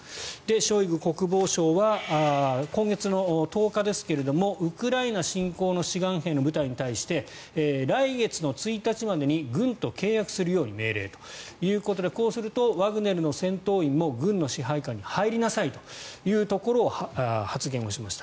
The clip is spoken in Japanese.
ショイグ国防相は今月１０日ですがウクライナ侵攻の志願兵の部隊に対して来月の１日までに軍と契約するように命令ということでこうするとワグネルの戦闘員も軍の支配下に入りなさいということを発言しました。